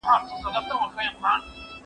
زه پرون درسونه اورم وم؟